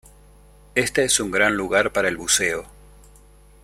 Este es un gran lugar para el buceo.